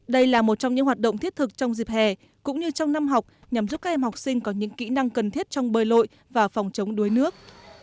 đây là một trong những hoạt động thiết thực trong dịp hè cũng như trong năm học nhằm giúp các em học sinh có những kỹ năng cần thiết trong bơi lội và phòng chống đuối nước